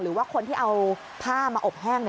หรือว่าคนที่เอาผ้ามาอบแห้ง